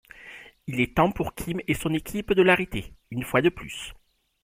Il est temps pour Kim et son équipe de l'arrêter, une fois de plus.